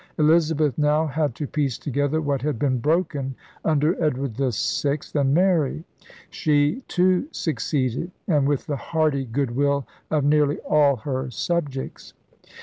Elizabeth now had to piece together what had been broken under Edward VI and Mary. She, too, succeeded — and with the hearty goodwill of nearly all her subjects.